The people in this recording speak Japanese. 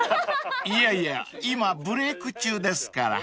［いやいや今ブレーク中ですから］